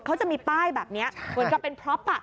เขาจะมีป้ายแบบนี้เหมือนกับเป็นพร็อป